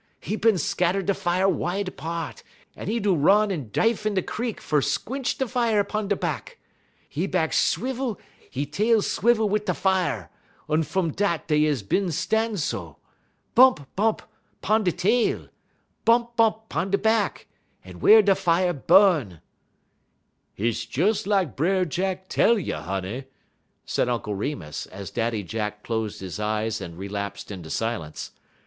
'E bin scatter da' fier wide 'part, un 'e do run un dife in da' crik fer squinch da' fier 'pon 'e bahk. 'E bahk swivel, 'e tail swivel wit' da' fier, un fum dat dey is bin stan' so. Bump, bump 'pon 'e tail; bump, bump 'pon 'e bahk, wey da' fier bu'n." "Hit's des lak Brer Jack tell you, honey," said Uncle Remus, as Daddy Jack closed his eyes and relapsed into silence.